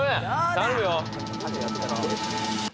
頼むよ。